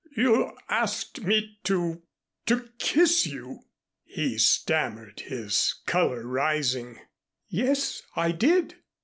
"You asked me to to kiss you!" he stammered, his color rising. "Yes, I did.